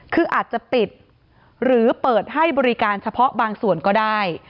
คืออาจจะปิดหรือเปิดให้บริการเฉพาะบางส่วนก็ได้